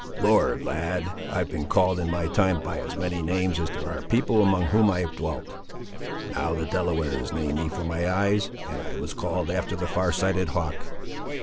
"Lord, lad, I've been called in my time by as many names as there are people among whom I've dwelt. Now the Delawares nam'd me for my eyes, and I was called after the far sighted hawk.